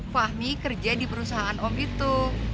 fahmi kerja di perusahaan om itu